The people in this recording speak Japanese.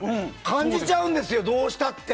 感じちゃうんですよどうしたって！